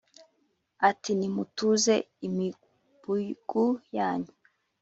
Ati : Nimutuze imibugu yanyu